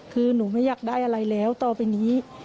คือหนูไม่อยากได้อะไรแล้วต่อไปนี้